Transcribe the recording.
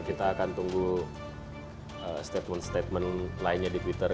kita akan tunggu statement statement lainnya di twitter